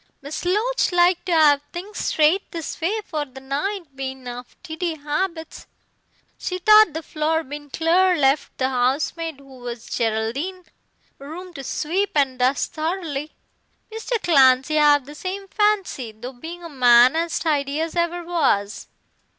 "Miss Loach liked to 'ave things straight this way for the night, bein' of tidy 'abits. She thought the floor bein' clear left the 'ousemaid, who was Geraldine, room to sweep and dust thoroughly. Mr. Clancy 'ave the same fancy, though being a man as tidy as ever was."